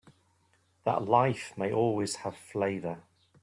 That life may always have flavor.